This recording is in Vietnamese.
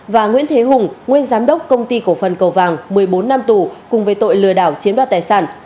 và nguyễn thế hùng nguyên giám đốc công ty cổ phần cầu vàng một mươi bốn năm tù cùng với tội lừa đảo chiếm đoạt tài sản